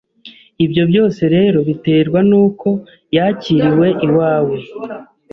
Ibyo byose rero biterwa n’uko yakiriwe iwawe.